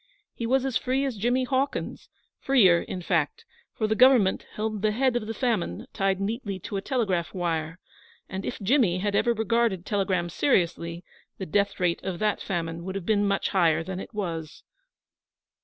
He was as free as Jimmy Hawkins freer, in fact, for the Government held the Head of the Famine tied neatly to a telegraph wire, and if Jimmy had ever regarded telegrams seriously, the death rate of that famine would have been much higher than it was.